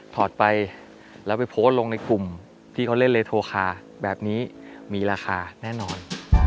อดไปแล้วไปโพสต์ลงในกลุ่มที่เขาเล่นเลโทคาแบบนี้มีราคาแน่นอน